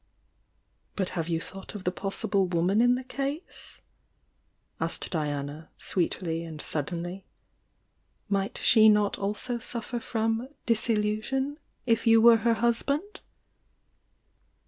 "But have you thought of the possible woman m the case?" asked Diana, sweetly and suddenly. "Might she not also suffer from 'disillusion' if you were her husband?"